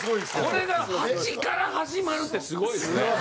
これがハチから始まるってすごいですね。